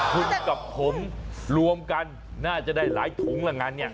คุณกับผมรวมกันน่าจะได้หลายถุงละงั้นเนี่ย